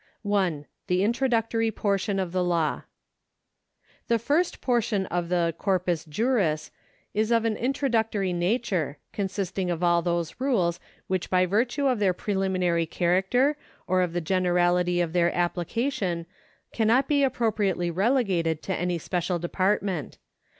1 . The Introductory Portion of the Law. The first portion of the corpus juris is of an introductory nature, con sisting of all those rules which by virtue of their preliminary character or of the generality of their application cannot be appropriately relegated to any special department.